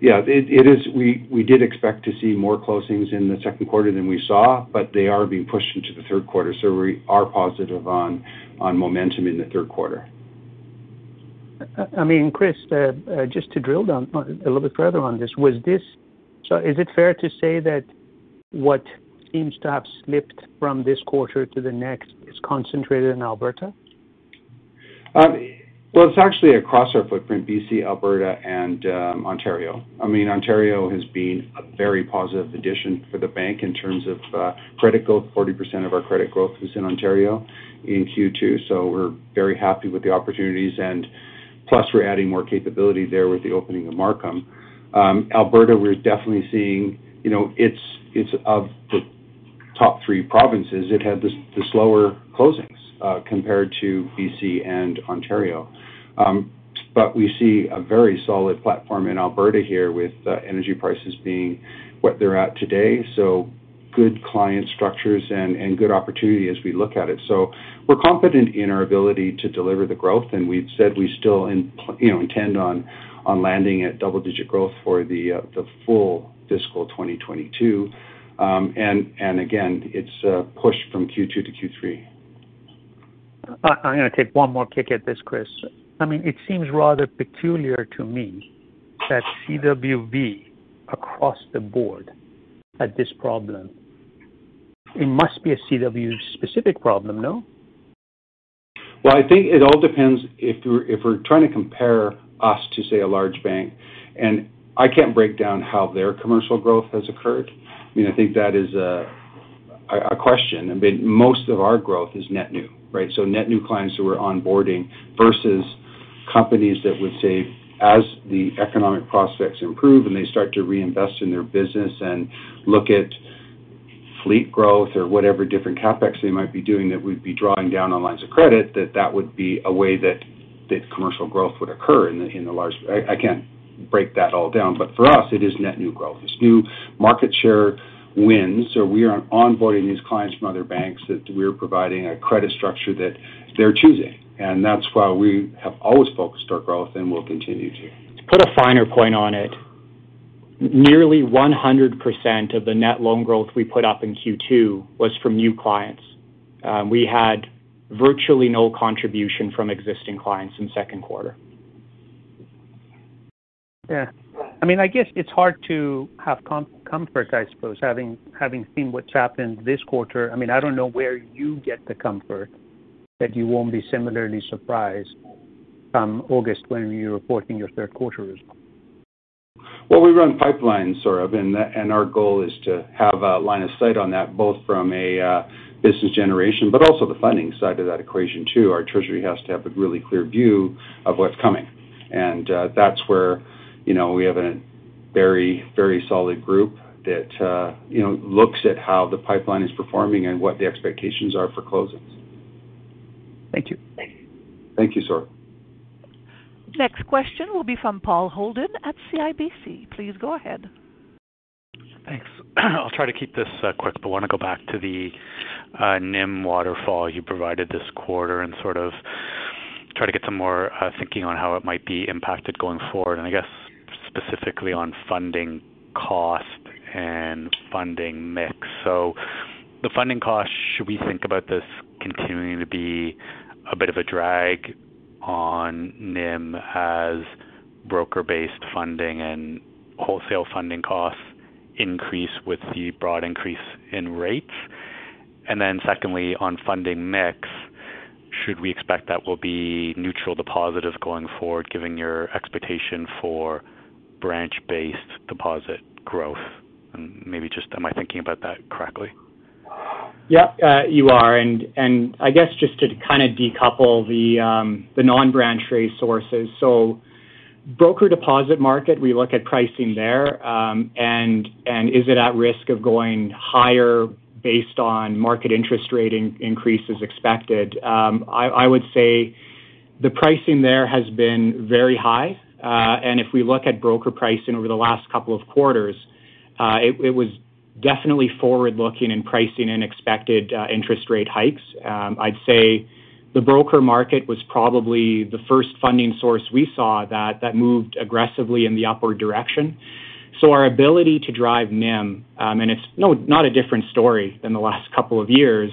Yeah, it is. We did expect to see more closings in the second quarter than we saw, but they are being pushed into the third quarter. We are positive on momentum in the third quarter. I mean, Chris, just to drill down a little bit further on this. Is it fair to say that what seems to have slipped from this quarter to the next is concentrated in Alberta? Well, it's actually across our footprint, BC, Alberta, and Ontario. I mean, Ontario has been a very positive addition for the bank in terms of credit growth. 40% of our credit growth is in Ontario in Q2, so we're very happy with the opportunities and plus we're adding more capability there with the opening of Markham. Alberta, we're definitely seeing, you know, it's of the top three provinces. It had the slower closings compared to BC and Ontario. We see a very solid platform in Alberta here with energy prices being what they're at today. Good client structures and good opportunity as we look at it. We're confident in our ability to deliver the growth, and we've said we still, you know, intend on landing at double-digit growth for the full fiscal 2022. Again, it's pushed from Q2 to Q3. I'm gonna take one more kick at this, Chris. I mean, it seems rather peculiar to me that CWB across the board had this problem. It must be a CW-specific problem, no? I think it all depends if we're trying to compare us to, say, a large bank, and I can't break down how their commercial growth has occurred. You know, I think that is a question. I mean, most of our growth is net new, right? Net new clients who are onboarding versus companies that would say as the economic prospects improve and they start to reinvest in their business and look at fleet growth or whatever different CapEx they might be doing, that we'd be drawing down on lines of credit that would be a way that commercial growth would occur in the large. I can't break that all down, but for us it is net new growth. It's new market share wins, so we are onboarding these clients from other banks that we're providing a credit structure that they're choosing. That's why we have always focused our growth and will continue to. To put a finer point on it, nearly 100% of the net loan growth we put up in Q2 was from new clients. We had virtually no contribution from existing clients in second quarter. Yeah. I mean, I guess it's hard to have comfort, I suppose, having seen what's happened this quarter. I mean, I don't know where you get the comfort that you won't be similarly surprised come August when you're reporting your third quarter as well. Well, we run pipelines, Sohrab, and our goal is to have a line of sight on that, both from a business generation but also the funding side of that equation too. Our treasury has to have a really clear view of what's coming. That's where, you know, we have a very, very solid group that, you know, looks at how the pipeline is performing and what the expectations are for closings. Thank you. Thank you, Sohrab. Next question will be from Paul Holden at CIBC. Please go ahead. Thanks. I'll try to keep this quick, but I wanna go back to the NIM waterfall you provided this quarter and sort of try to get some more thinking on how it might be impacted going forward, and I guess specifically on funding cost and funding mix. The funding cost, should we think about this continuing to be a bit of a drag on NIM as broker-based funding and wholesale funding costs increase with the broad increase in rates? And then secondly, on funding mix, should we expect that will be neutral to positive going forward given your expectation for branch-based deposit growth? And maybe just am I thinking about that correctly? Yeah, you are. I guess just to kind of decouple the non-branch rate sources. Broker deposit market, we look at pricing there, and is it at risk of going higher based on market interest rate increase as expected. I would say the pricing there has been very high. If we look at broker pricing over the last couple of quarters, it was definitely forward-looking and pricing in expected interest rate hikes. I'd say the broker market was probably the first funding source we saw that moved aggressively in the upward direction. Our ability to drive NIM, and it's not a different story than the last couple of years,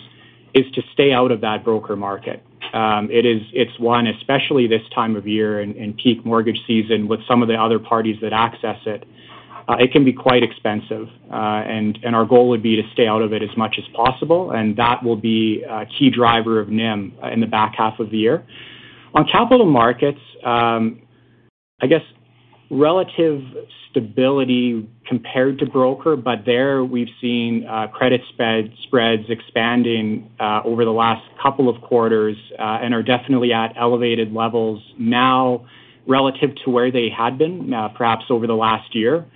is to stay out of that broker market. It's one, especially this time of year in peak mortgage season with some of the other parties that access it can be quite expensive. Our goal would be to stay out of it as much as possible, and that will be a key driver of NIM in the back half of the year. On capital markets, I guess relative stability compared to broker, but there we've seen credit spreads expanding over the last couple of quarters and are definitely at elevated levels now relative to where they had been, perhaps over the last year.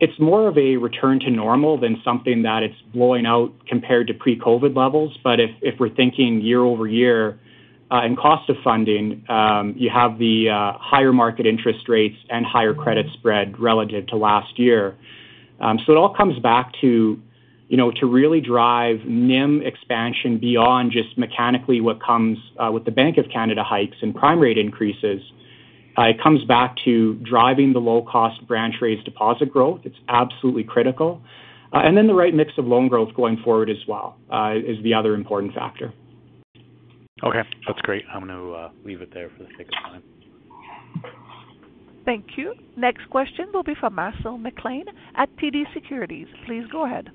It's more of a return to normal than something that is blowing out compared to pre-COVID levels. If we're thinking year-over-year and cost of funding, you have the higher market interest rates and higher credit spread relative to last year. It all comes back to, you know, to really drive NIM expansion beyond just mechanically what comes with the Bank of Canada hikes and prime rate increases. It comes back to driving the low-cost branch-raised deposit growth. It's absolutely critical. Then the right mix of loan growth going forward as well is the other important factor. Okay. That's great. I'm gonna leave it there for the sake of time. Thank you. Next question will be from Marcel McLean at TD Securities. Please go ahead.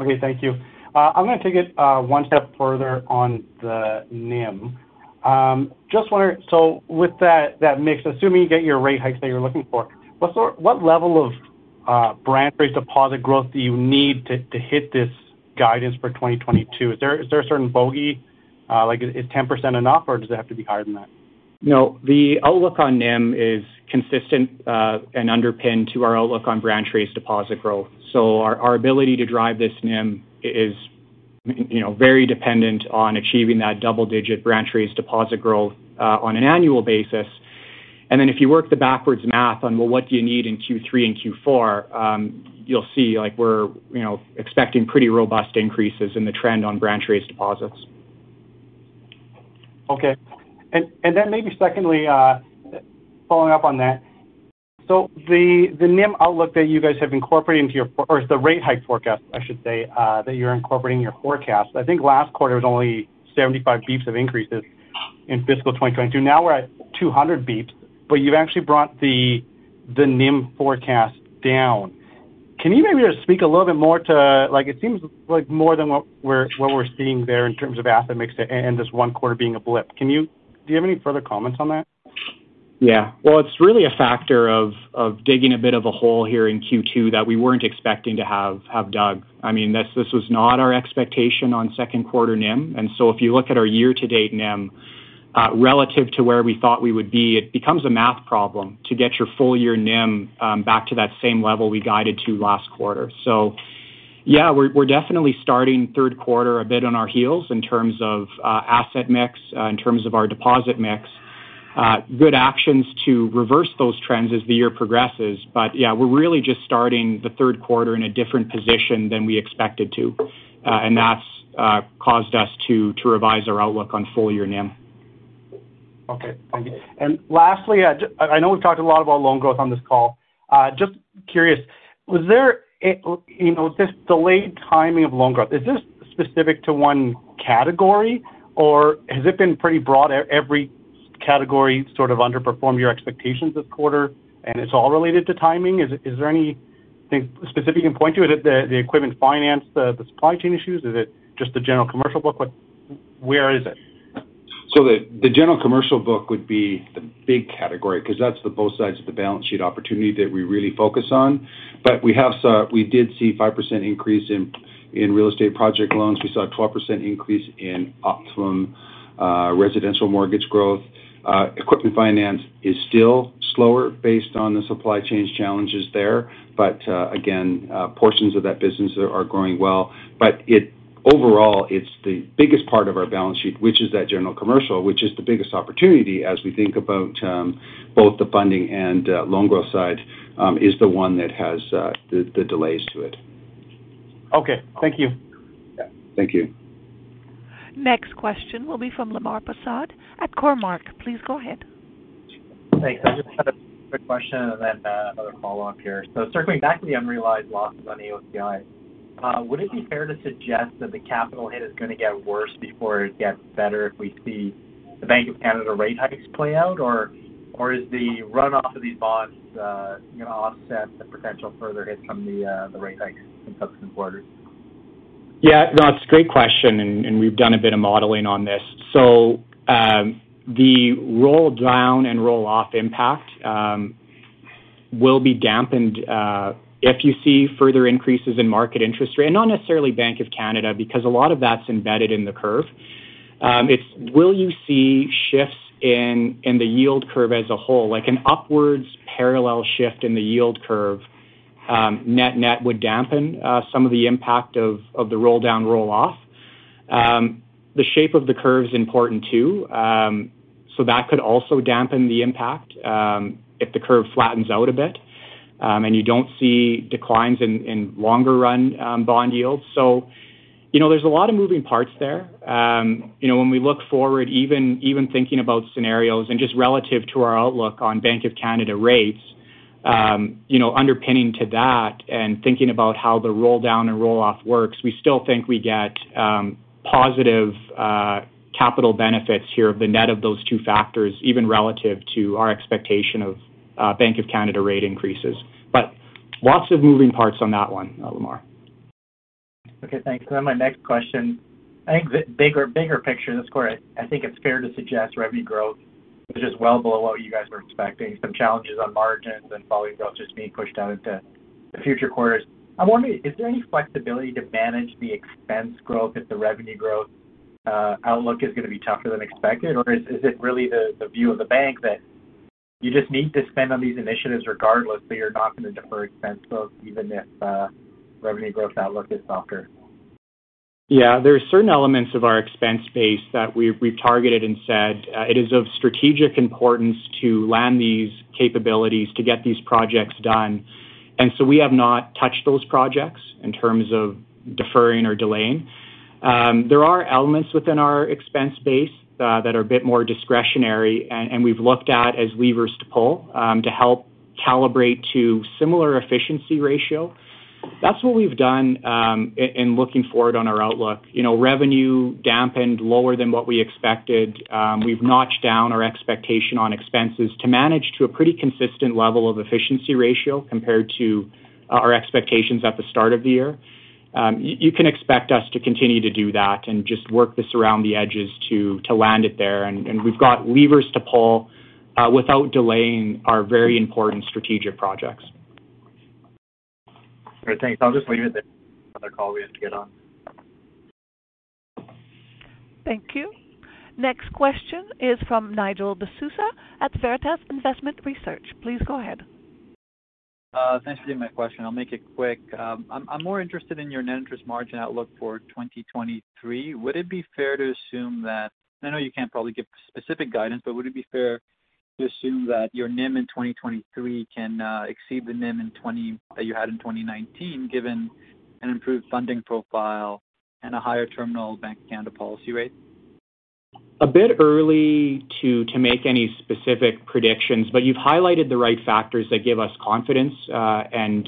Okay. Thank you. I'm gonna take it one step further on the NIM. So with that mix, assuming you get your rate hikes that you're looking for, what level of branch-raised deposit growth do you need to hit this guidance for 2022? Is there a certain bogey? Like is 10% enough, or does it have to be higher than that? No. The outlook on NIM is consistent and underpinned to our outlook on branch-raised deposit growth. Our ability to drive this NIM is, you know, very dependent on achieving that double-digit branch-raised deposit growth on an annual basis. If you work the backward math on, well, what do you need in Q3 and Q4, you'll see like we're, you know, expecting pretty robust increases in the trend on branch-raised deposits. Okay. Maybe secondly, following up on that. The NIM outlook that you guys have incorporated into your or the rate hike forecast, I should say, that you're incorporating your forecast. I think last quarter it was only 75 basis points of increases in fiscal 2022. Now we're at 200 basis points, but you've actually brought the NIM forecast down. Can you maybe just speak a little bit more to like it seems like more than what we're seeing there in terms of asset mix and this one quarter being a blip. Do you have any further comments on that? Yeah. Well, it's really a factor of digging a bit of a hole here in Q2 that we weren't expecting to have dug. I mean, this was not our expectation on second quarter NIM. If you look at our year-to-date NIM relative to where we thought we would be, it becomes a math problem to get your full year NIM back to that same level we guided to last quarter. Yeah, we're definitely starting third quarter a bit on our heels in terms of asset mix in terms of our deposit mix. Good actions to reverse those trends as the year progresses. Yeah, we're really just starting the third quarter in a different position than we expected to and that's caused us to revise our outlook on full year NIM. Okay. Thank you. Lastly, I know we've talked a lot about loan growth on this call. Just curious, was there, you know, this delayed timing of loan growth, is this specific to one category, or has it been pretty broad, every category sort of underperformed your expectations this quarter and it's all related to timing? Is there anything specific you can point to? Is it the equipment finance, the supply chain issues? Is it just the general commercial book? Where is it? The general commercial book would be the big category, 'cause that's the both sides of the balance sheet opportunity that we really focus on. We did see a 5% increase in real estate project loans. We saw a 12% increase in Optimum Residential mortgage growth. Equipment finance is still slower based on the supply chain challenges there. Portions of that business are growing well. Overall, it's the biggest part of our balance sheet, which is that general commercial, which is the biggest opportunity as we think about both the funding and loan growth side, is the one that has the delays to it. Okay. Thank you. Yeah. Thank you. Next question will be from Lemar Persaud at Cormark. Please go ahead. Thanks. I just had a quick question and then, another follow-up here. Circling back to the unrealized losses on AOCI, would it be fair to suggest that the capital hit is gonna get worse before it gets better if we see the Bank of Canada rate hikes play out? Or is the runoff of these bonds, you know, offset the potential further hits from the rate hikes in subsequent quarters? Yeah. No, it's a great question, and we've done a bit of modeling on this. The roll down and roll-off impact will be dampened if you see further increases in market interest rate, and not necessarily Bank of Canada, because a lot of that's embedded in the curve. Will you see shifts in the yield curve as a whole? Like an upward parallel shift in the yield curve, net would dampen some of the impact of the roll down, roll off. The shape of the curve's important too. That could also dampen the impact if the curve flattens out a bit, and you don't see declines in longer run bond yields. You know, there's a lot of moving parts there. You know, when we look forward, even thinking about scenarios and just relative to our outlook on Bank of Canada rates, you know, underpinning to that and thinking about how the roll down and roll off works, we still think we get positive capital benefits here of the net of those two factors, even relative to our expectation of Bank of Canada rate increases. Lots of moving parts on that one, Lemar. Okay, thanks. My next question, I think the bigger picture this quarter, I think it's fair to suggest revenue growth was just well below what you guys were expecting, some challenges on margins and volume growth just being pushed out into the future quarters. I'm wondering, is there any flexibility to manage the expense growth if the revenue growth outlook is gonna be tougher than expected? Or is it really the view of the bank that you just need to spend on these initiatives regardless, so you're not gonna defer expense growth even if revenue growth outlook is softer? Yeah. There are certain elements of our expense base that we've targeted and said, it is of strategic importance to land these capabilities to get these projects done. We have not touched those projects in terms of deferring or delaying. There are elements within our expense base that are a bit more discretionary and we've looked at as levers to pull to help calibrate to similar efficiency ratio. That's what we've done in looking forward on our outlook. You know, revenue dampened lower than what we expected. We've notched down our expectation on expenses to manage to a pretty consistent level of efficiency ratio compared to our expectations at the start of the year. You can expect us to continue to do that and just work this around the edges to land it there. We've got levers to pull without delaying our very important strategic projects. All right. Thanks. I'll just leave it there. Another call we have to get on. Thank you. Next question is from Nigel D'Souza at Veritas Investment Research. Please go ahead. Thanks for taking my question. I'll make it quick. I'm more interested in your net interest margin outlook for 2023. Would it be fair to assume that? I know you can't probably give specific guidance, but would it be fair to assume that your NIM in 2023 can exceed the NIM that you had in 2019, given an improved funding profile and a higher terminal Bank of Canada policy rate? A bit early to make any specific predictions, but you've highlighted the right factors that give us confidence, and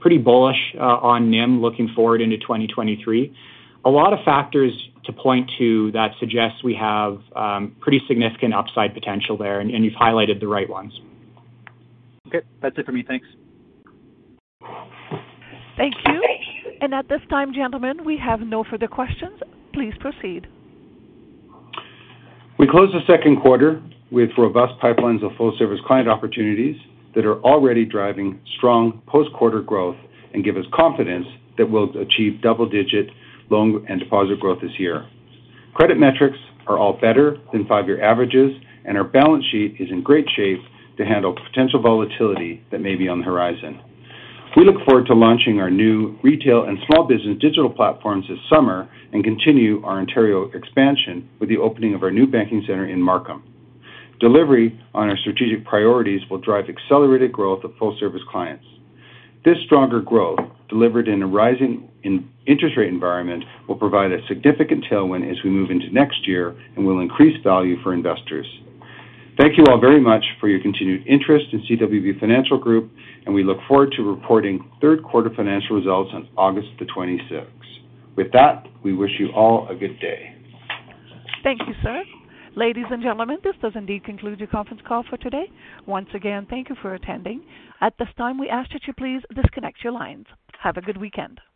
pretty bullish on NIM looking forward into 2023. A lot of factors to point to that suggests we have pretty significant upside potential there and you've highlighted the right ones. Okay. That's it for me. Thanks. Thank you. At this time, gentlemen, we have no further questions. Please proceed. We closed the second quarter with robust pipelines of full-service client opportunities that are already driving strong post-quarter growth and give us confidence that we'll achieve double-digit loan and deposit growth this year. Credit metrics are all better than five-year averages, and our balance sheet is in great shape to handle potential volatility that may be on the horizon. We look forward to launching our new retail and small business digital platforms this summer and continue our Ontario expansion with the opening of our new banking center in Markham. Delivery on our strategic priorities will drive accelerated growth of full-service clients. This stronger growth, delivered in a rising interest rate environment, will provide a significant tailwind as we move into next year and will increase value for investors. Thank you all very much for your continued interest in CWB Financial Group, and we look forward to reporting third quarter financial results on August 26. With that, we wish you all a good day. Thank you, sir. Ladies and gentlemen, this does indeed conclude your conference call for today. Once again, thank you for attending. At this time, we ask that you please disconnect your lines. Have a good weekend.